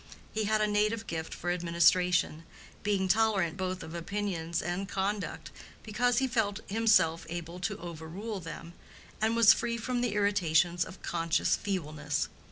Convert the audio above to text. He had a native gift for administration, being tolerant both of opinions and conduct, because he felt himself able to overrule them, and was free from the irritations of conscious feebleness.